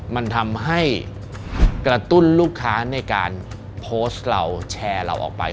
มันทำให้กระตุ้นลูกค้าในการโพสต์เราแชร์เราออกไป